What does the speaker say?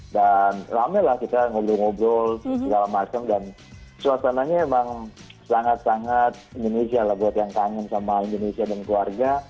dan lama lah kita ngobrol ngobrol segala macam dan suasananya emang sangat sangat indonesia lah buat yang kangen sama indonesia dan keluarga